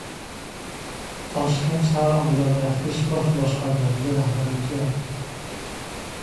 Toshkent shahar Obodonlashtirish bosh boshqarmasida rahbar o‘zgardi